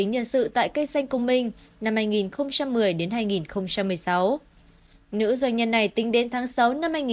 bà lê thị hòa từng có thời gian làm quản lý hành chính nhân sự tại cây xanh cung minh năm hai nghìn một mươi đến hai nghìn một mươi sáu